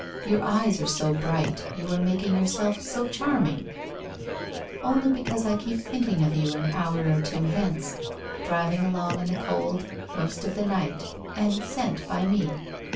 Your eyes are so bright — you are making yourself so charming '' Only because I keep thinking of you an hour or two hence, driving along in the cold, most of the night and sent by me.